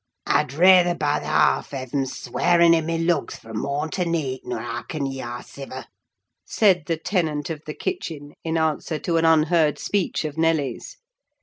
"I'd rayther, by th' haulf, hev' 'em swearing i' my lugs fro'h morn to neeght, nor hearken ye hahsiver!" said the tenant of the kitchen, in answer to an unheard speech of Nelly's.